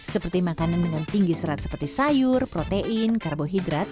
seperti makanan dengan tinggi serat seperti sayur protein karbohidrat